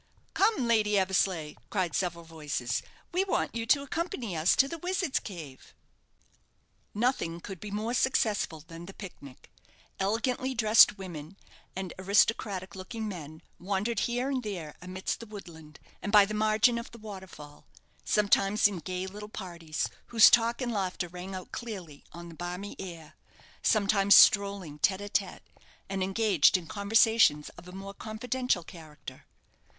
"Come, Lady Eversleigh," cried several voices; "we want you to accompany us to the Wizard's Cave." Nothing could be more successful than the pic nic. Elegantly dressed women and aristocratic looking men wandered here and there amidst the woodland, and by the margin of the waterfall; sometimes in gay little parties, whose talk and laughter rang out clearly on the balmy air; sometimes strolling tête à tête, and engaged in conversations of a more confidential character.